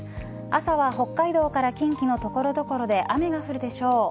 朝は、北海道から近畿の所々で雨が降るでしょう。